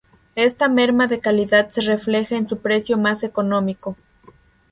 Esta merma de calidad se refleja en su precio más económico.